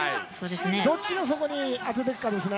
どっちが当てていくかですね。